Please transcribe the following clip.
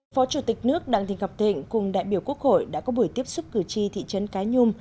phó chủ tịch nước đặng thị ngọc thịnh cùng đại biểu quốc hội đã có buổi tiếp xúc cử tri thị trấn cái nhung